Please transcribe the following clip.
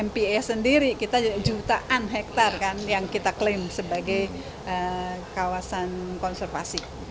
mpa sendiri kita jutaan hektare kan yang kita klaim sebagai kawasan konservasi